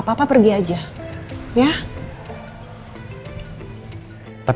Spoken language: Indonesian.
papa pergi aja